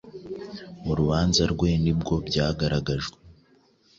Mu rubanza rwe nibwo byagaragajwe